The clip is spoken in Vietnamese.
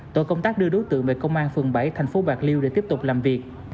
tổ công tác đưa đối tượng về công an phường bảy thành phố bạc liêu để tiếp tục làm việc